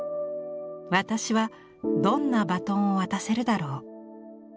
私はどんなバトンを渡せるだろう」。